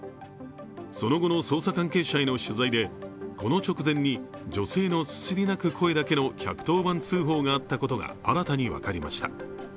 その後の捜査関係者への取材で、この直前に女性のすすり泣く声だけの１１０番通報があったことが新たに分かりました。